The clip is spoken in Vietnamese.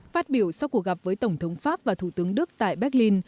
phát biểu sau cuộc gặp với tổng thống pháp và thủ tướng đức tại berlin